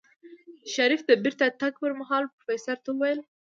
شريف د بېرته تګ پر مهال پروفيسر ته وويل.